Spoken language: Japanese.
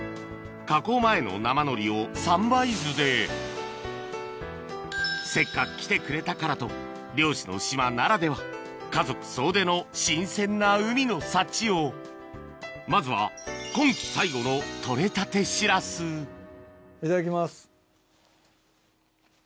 加工前の生のりを三杯酢でせっかく来てくれたからと漁師の島ならでは家族総出の新鮮な海の幸をまずは今期最後の取れたてしらすいただきます。